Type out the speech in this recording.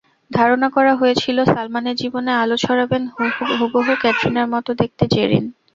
ধারণা করা হয়েছিল, সালমানের জীবনে আলো ছড়াবেন হুবহু ক্যাটরিনার মতো দেখতে জেরিন।